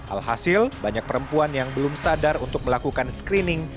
alhasil banyak perempuan yang belum sadar untuk melakukan screening